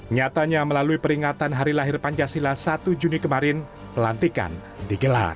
nyatanya melalui peringatan hari lahir pancasila satu juni kemarin pelantikan digelar